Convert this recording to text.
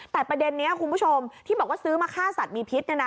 แต่ประเด็นนี้คุณผู้ชมที่บอกว่าซื้อมาฆ่าสัตว์มีพิษ